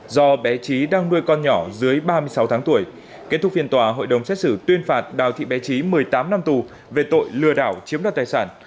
do bé trí đang nuôi con nhỏ dưới ba mươi sáu tháng tuổi kết thúc phiên tòa hội đồng xét xử tuyên phạt đào thị bé trí một mươi tám năm tù về tội lừa đảo chiếm đoạt tài sản